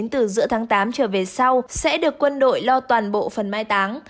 từ giữa tháng tám trở về sau sẽ được quân đội lo toàn bộ phần mai táng